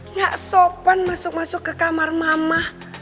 gak sopan masuk masuk ke kamar mama